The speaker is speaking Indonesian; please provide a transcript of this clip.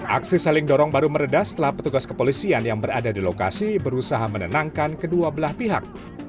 aksi saling dorong baru meredah setelah petugas kepolisian yang berada di lokasi berusaha menenangkan kedua belah pihak